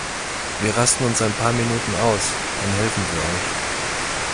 Wir rasten uns ein paar Minuten aus, dann helfen wir euch.